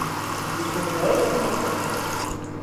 Jis ir lels i našpetnys.